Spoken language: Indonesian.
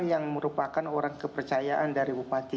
yang merupakan orang kepercayaan dari bupati